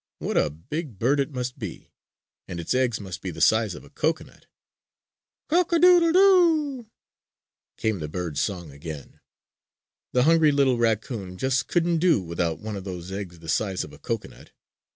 "What a big bird it must be! And its eggs must be the size of a cocoanut!" "Cock a doodle doo oo oo," came the bird's song again. The hungry little raccoon just couldn't do without one of those eggs the size of a cocoanut.